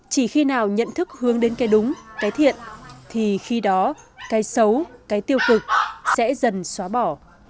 nếu các hãng thức hướng đến cái đúng cái thiện thì khi đó cái xấu cái tiêu cực sẽ dần xóa bỏ